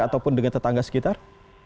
ataupun dengan tetangga sekitar